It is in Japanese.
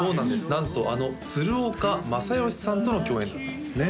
なんとあの鶴岡雅義さんとの共演だったんですよね